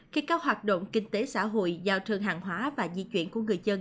khi các hoạt động kinh tế xã hội giao thương hàng hóa và di chuyển của người dân